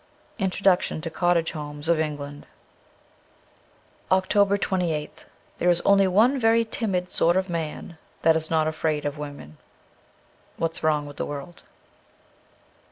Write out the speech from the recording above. Introduction to ^Cottage Homes of England.' 333 OCTOBER 28th THERE is only one very timid sort of man that is not afraid of women. 'What's Wrong with the World.'